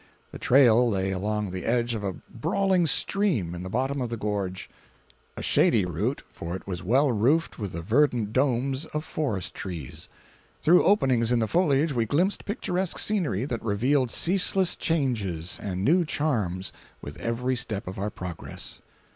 The trail lay along the edge of a brawling stream in the bottom of the gorge—a shady route, for it was well roofed with the verdant domes of forest trees. Through openings in the foliage we glimpsed picturesque scenery that revealed ceaseless changes and new charms with every step of our progress.